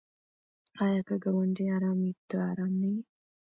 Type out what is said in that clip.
آیا که ګاونډی ارام وي ته ارام نه یې؟